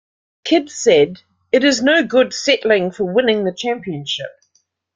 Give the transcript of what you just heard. Kidd said: It is no good settling for winning the championship.